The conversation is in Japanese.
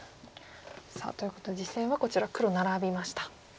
ということで実戦はこちら黒ナラびました。